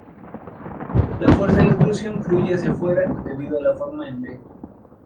La fuerza de la explosión fluye hacia afuera debido a la forma en "V".